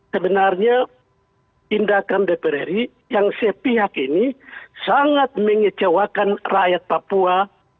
sebenarnya tindakan dpr ri yang sepihak ini sangat mengecewakan rakyat papua